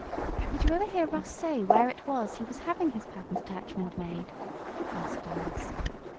"Did you ever hear Russ say where it was he was having his patent attachment made?" asked Alice.